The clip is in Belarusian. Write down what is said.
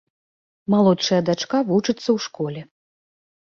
Малодшая дачка вучыцца ў школе.